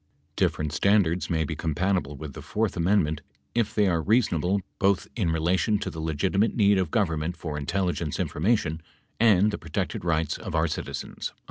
Different standards may be compatible with the fourth amend ment if they are reasonable both in relation to the legitimate need of Government for intelligence information and the protected rights of our citizens."